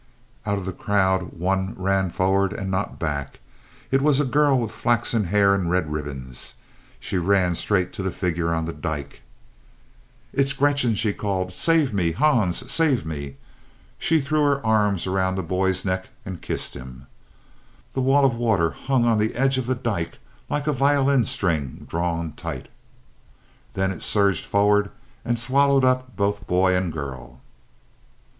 Out of the crowd one ran forward and not back. It was a girl with flaxen hair and red ribbons. She ran straight to the figure on the dyke. "It's Gretchen," she called. "Save me, Hans, save me." She threw her arms around the boy's neck and kissed him. The wall of water hung on the edge of the dyke like a violin string drawn tight. Then it surged forward and swallowed up both boy and girl.